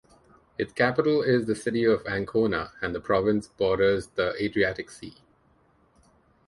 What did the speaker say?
Its capital is the city of Ancona, and the province borders the Adriatic Sea.